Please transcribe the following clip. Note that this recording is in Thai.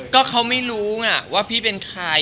ก็เขาไม่รู้ไงว่าพี่เป็นใคร